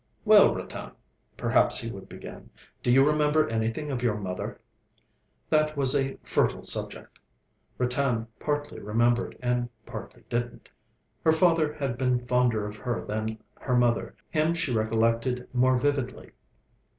'Well, Ratan,' perhaps he would begin, 'do you remember anything of your mother?' That was a fertile subject. Ratan partly remembered, and partly didn't. Her father had been fonder of her than her mother; him she recollected more vividly.